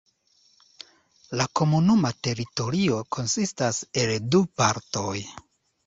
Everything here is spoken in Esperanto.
La komunuma teritorio konsistas el du partoj.